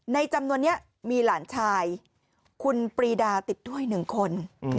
จำนวนนี้มีหลานชายคุณปรีดาติดด้วย๑คน